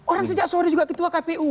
orang sejak sore juga ketua kpu